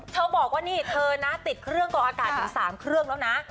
บอกว่านี่เธอนะติดเครื่องกองอากาศถึง๓เครื่องแล้วนะ